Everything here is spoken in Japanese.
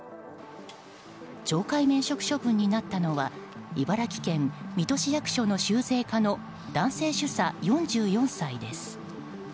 懲戒免職処分になったのは茨城県水戸市役所の収税課の男性主査、４４歳です。